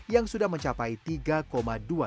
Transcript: yang sudah mencapai tiga dua juta